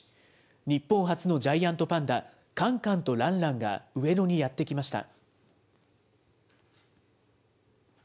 日本初のジャイアントパンダ、カンカンとランランが上野にやって来ました。